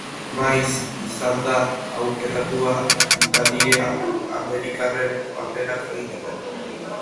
Maiz izan da aukeratua italiar-amerikarren paperak egiteko.